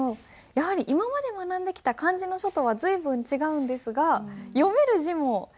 やはり今まで学んできた漢字の書とは随分違うんですが読める字もありませんか？